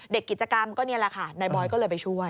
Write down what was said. กิจกรรมก็นี่แหละค่ะนายบอยก็เลยไปช่วย